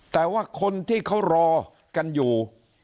แต่ว่าคนที่เขารอกันอยู่